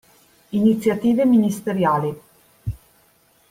Iniziative ministeriali.